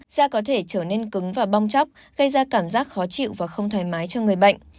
da có thể trở nên cứng và bong chóc gây ra cảm giác khó chịu và không thoải mái cho người bệnh